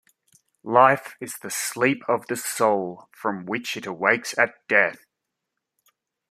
Life is the sleep of the soul, from which it awakes at death.